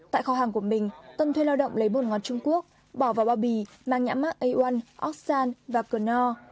tại kho hàng của mình tân thuê lao động lấy bột ngọt trung quốc bỏ vào bao bì mang nhãn mát a một oxxan và canor